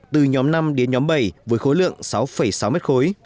từ nhóm năm đến nhóm bảy với khối lượng sáu sáu mét khối